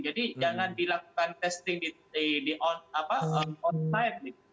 jadi jangan dilakukan testing di on time